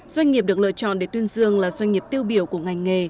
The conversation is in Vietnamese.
doanh nghiệp được lựa chọn để tuyên dương là doanh nghiệp tiêu biểu của ngành nghề